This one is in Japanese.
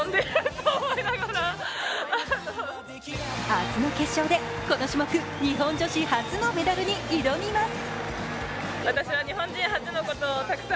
明日の決勝で、この種目日本女子初のメダルに挑みます。